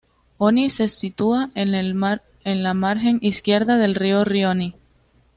Oni se sitúa en la margen izquierda del río Rioni.